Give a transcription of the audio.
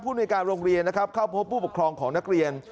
ผู้โดยการโรงเรียนเข้าพบผู้ปกครองของนักเรียน